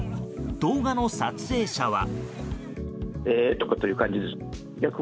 動画の撮影者は。